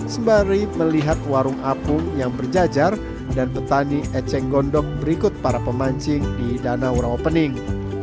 sembari melihat warung apung yang berjajar dan petani eceng gondong berikut para pemancing di danau rawapening